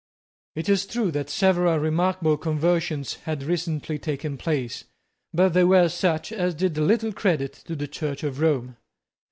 It is true that several remarkable conversions had recently taken place; but they were such as did little credit to the Church of Rome.